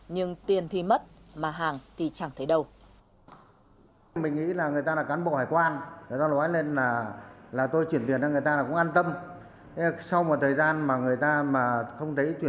nhưng tiền thì mất mà hàng thì chẳng thấy đâu